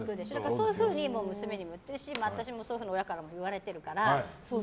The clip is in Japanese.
そういうふうに娘にも言っているし私もそういうふうに親からも言われてるから。